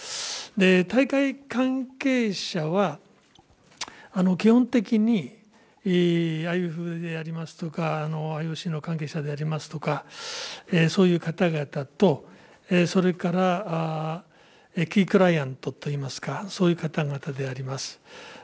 大会関係者は、基本的にＩＯＣの関係者でありますとか、そういう方々と、それからキークライアントといいますか、そういう方々であります。